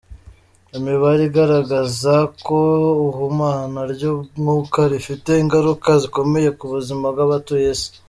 Imibare igaragaza ko ihumana ry’umwuka rifite ingaruka zikomeye ku buzima bw’abatuye Isi.